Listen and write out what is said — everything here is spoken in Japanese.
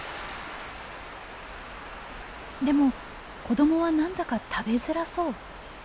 でも子どもはなんだか食べづらそう。